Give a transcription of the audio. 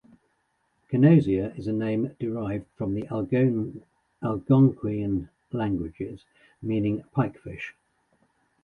Canosia is a name derived from the Algonquian language meaning "pike fish".